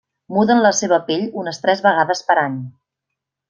Muden la seva pell unes tres vegades per any.